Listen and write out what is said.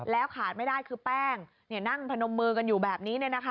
ขาดไม่ได้คือแป้งนั่งพนมมือกันอยู่แบบนี้